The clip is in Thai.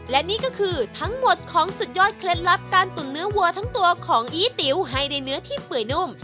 และนี่ก็คือทั้งหมดของสุดยอดเคล็ดลับการตุ๋นเนื้อวัวทั้งตัวของอีติ๋วให้ได้เนื้อที่เปื่อยนุ่ม